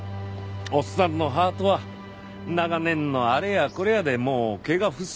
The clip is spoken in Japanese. おっさんのハートは長年のあれやこれやでもう毛がふっさふさだ。